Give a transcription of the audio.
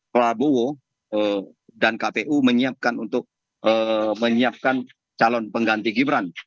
prabowo dan kpu menyiapkan untuk menyiapkan calon pengganti gibran